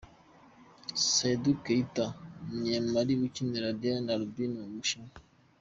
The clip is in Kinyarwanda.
Seydou Keita, umunyamali ukinira Dalian Aerbin mu Bushinwa.